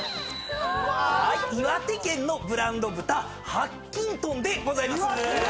岩手県のブランド豚白金豚でございます。